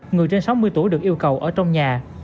người trên sáu mươi tuổi được yêu cầu ở trong nhà